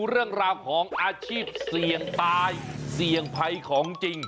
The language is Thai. เรื่องราวของอาชีพเสี่ยงตายเสี่ยงภัยของจริง